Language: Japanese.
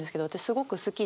すごく好きで。